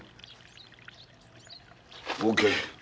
ＯＫ。